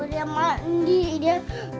dia mandi dia